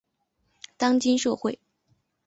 当今社会